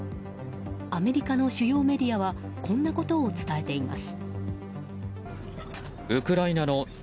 アメリカの主要メディアはこんなことを伝えています。